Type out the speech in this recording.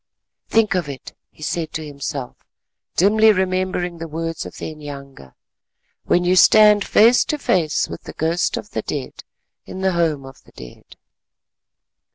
"Think of it," he said to himself, dimly remembering the words of the inyanga, "when you stand face to face with the ghost of the dead in the Home of the Dead."